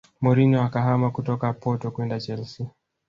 Mourinho akahama kutoka porto kwenda Chelsea